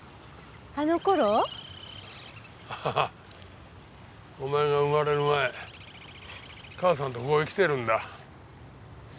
ハハッお前が生まれる前母さんとここへ来てるんだ。